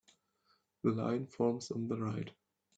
The line forms on the right.